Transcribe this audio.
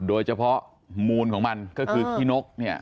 โดยเฉพาะมูลของมันก็คือขี้นกเนี่ย